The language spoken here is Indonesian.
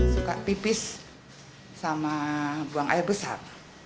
suka pipis sama buang air besar